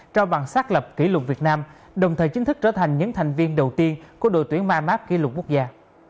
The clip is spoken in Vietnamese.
cho bằng xác lập kỷ lục việt nam đồng thời chính thức trở thành những thành viên đầu tiên của đội tuyển mymap kỷ lục quốc gia